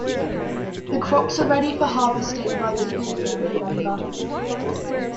The crops are ready for harvesting by the beginning of November.